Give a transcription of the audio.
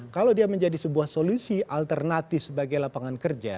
kalau dia menjadi sebuah solusi alternatif sebagai lapangan kerja